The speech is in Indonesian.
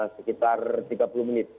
sekitar tiga puluh menit